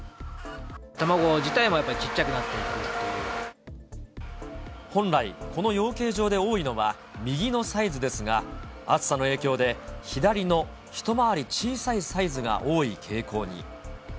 卵自体もやっぱちっちゃくな本来、この養鶏場で多いのは右のサイズですが、暑さの影響で、左の一回り小さいサイズが多い傾向に。